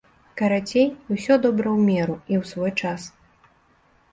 Карацей, усё добра ў меру і ў свой час.